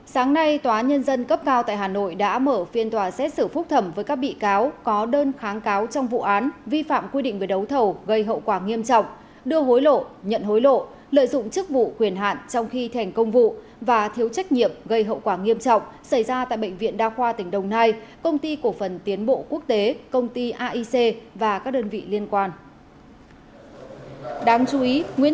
sáng nay tòa nhân dân cấp cao tại hà nội đã mở phiên tòa xét xử phúc thẩm với các bị cáo có đơn kháng cáo trong vụ án vi phạm quy định về đấu thầu gây hậu quả nghiêm trọng đưa hối lộ nhận hối lộ lợi dụng chức vụ quyền hạn trong khi thành công vụ và thiếu trách nhiệm gây hậu quả nghiêm trọng xảy ra tại bệnh viện đa khoa tỉnh đồng nai công ty cổ phần tiến bộ quốc tế công ty aic và các đơn vị liên quan